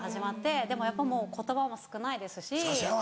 でもやっぱもう言葉も少ないですし。